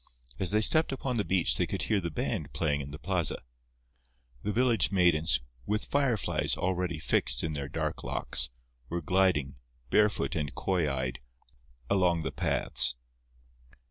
As they stepped upon the beach they could hear the band playing in the plaza. The village maidens, with fireflies already fixed in their dark locks, were gliding, barefoot and coy eyed, along the paths.